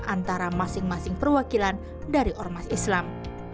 antara masing masing perwakilan dari ormas islam